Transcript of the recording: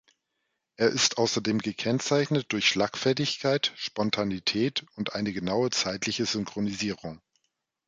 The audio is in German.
Er ist außerdem gekennzeichnet durch Schlagfertigkeit, Spontanität und eine genaue zeitliche Synchronisierung.